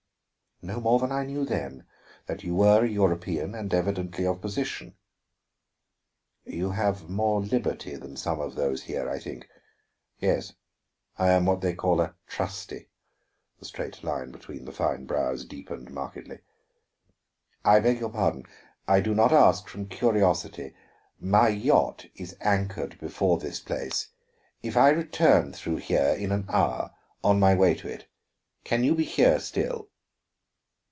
"No more than I knew then: that you were a European, and evidently of position." "You have more liberty than some of those here, I think." "Yes; I am what they call a trusty;" the straight line between the fine brows deepened markedly. "I beg your pardon; I do not ask from curiosity. My yacht is anchored before this place if I return through here in an hour, on my way to it, can you be here still?"